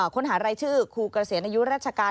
ค้นหารายชื่อครูเกษียณอายุราชการ